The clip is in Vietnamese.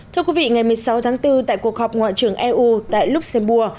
thưa quý vị ngày một mươi sáu tháng bốn tại cuộc họp ngoại trưởng eu tại luxembourg